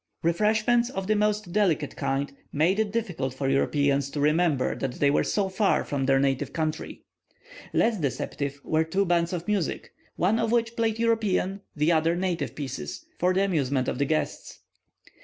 Refreshments of the most delicate kind made it difficult for Europeans to remember that they were so far from their native country. Less deceptive were two bands of music, one of which played European, the other native pieces, for the amusement of the guests.